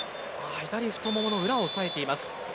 左太ももの裏を押さえています。